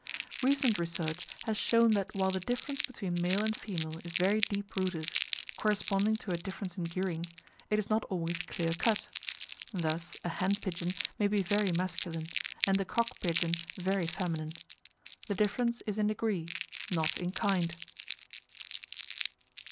Recent research has shown that while the difference between male and female is very deep rooted, corresponding to a difference in gearing, it is not always clear cut. Thus a hen pigeon may be very masculine, and a cock pigeon very feminine. The difference is in degree, not in kind.